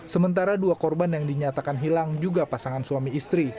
sementara dua korban yang dinyatakan hilang juga pasangan suami istri